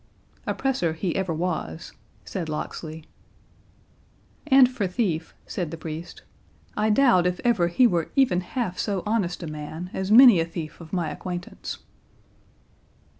"Oppressor he ever was," said Locksley. "And for thief," said the priest, "I doubt if ever he were even half so honest a man as many a thief of my acquaintance."